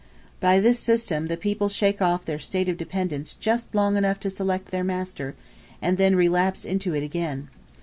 By this system the people shake off their state of dependence just long enough to select their master, and then relapse into it again.